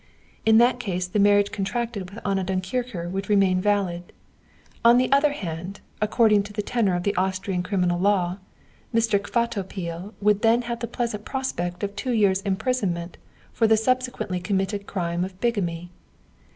In that case the marriage contracted with Anna Dunkircher would remain valid. On the other hand, according to the tenor of the Austrian criminal law, Mr. Kvatopil would then have the pleasant prospect of two years' imprisonment for the subsequently committed crime of bigamy.